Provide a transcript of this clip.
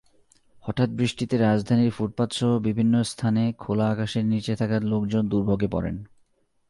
হঠাৎ বৃষ্টিতে রাজধানীর ফুটপাতসহ বিভিন্ন স্থানে খোলা আকাশের নিচে থাকা লোকজন দুর্ভোগে পড়েন।